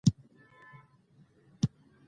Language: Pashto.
د درملتونونو نظارت کیږي؟